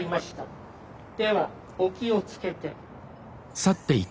ではお気をつけて。